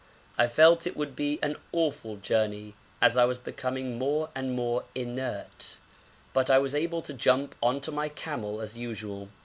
I felt it would be an awful journey, as I was becoming more and more inert, but I was able to jump on to my camel as usual.